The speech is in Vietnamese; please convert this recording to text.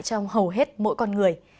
trong hầu hết mỗi con người